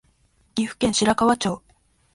岐阜県白川町